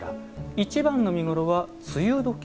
いちばんの見頃は梅雨どき。